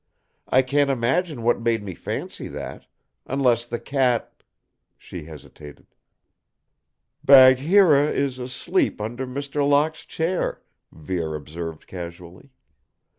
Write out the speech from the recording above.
I can't imagine what made me fancy that. Unless the cat " She hesitated. "Bagheera is asleep under Mr. Locke's chair," Vere observed casually.